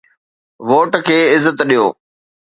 Vote کي عزت ڏيو.